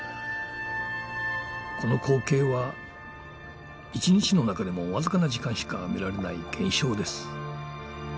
この光景は１日の中でもわずかな時間しか見られない現象です。